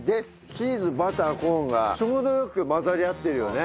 チーズバターコーンがちょうど良く混ざり合ってるよね。